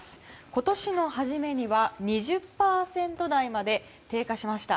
今年の初めには２０％台まで低下しました。